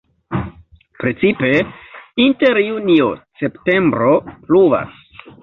Precipe inter junio-septembro pluvas.